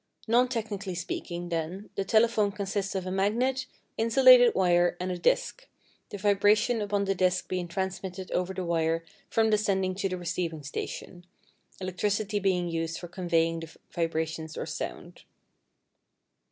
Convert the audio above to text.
Non technically speaking, then, the telephone consists of a magnet, insulated wire, and a disc, the vibration upon the disc being transmitted over the wire from the sending to the receiving station, electricity being used for conveying the vibrations or sound.